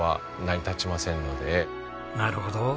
なるほど。